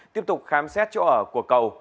tiếp tục khám xét chỗ ở của cầu